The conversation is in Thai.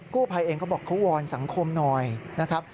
ภัยเองเขาบอกเขาวอนสังคมหน่อยนะครับ